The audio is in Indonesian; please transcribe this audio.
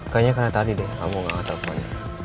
kayaknya karena tadi deh kamu gak nge tepon